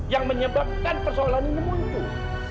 yang menyebabkan persoalan ini muncul